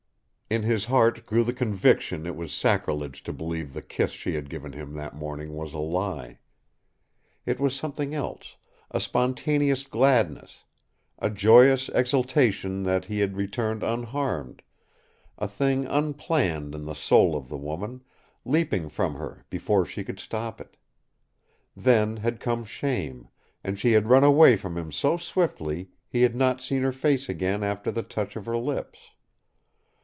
In his heart grew the conviction it was sacrilege to believe the kiss she had given him that morning was a lie. It was something else a spontaneous gladness, a joyous exultation that he had returned unharmed, a thing unplanned in the soul of the woman, leaping from her before she could stop it. Then had come shame, and she had run away from him so swiftly he had not seen her face again after the touch of her lips.